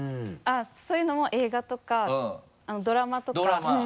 そういうのも映画とかドラマとかドラマ。